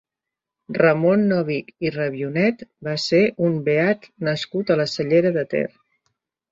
Ramon Novich i Rabionet va ser un beat nascut a la Cellera de Ter.